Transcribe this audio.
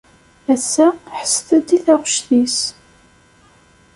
Ass-a, ḥesset-d i taɣect-is.